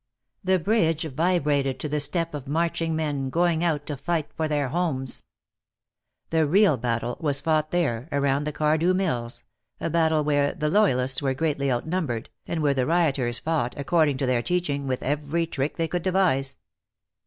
The bridge vibrated to the step of marching men, going out to fight for their homes. The real battle was fought there, around the Cardew mills, a battle where the loyalists were greatly outnumbered, and where the rioters fought, according to their teaching, with every trick they could devise.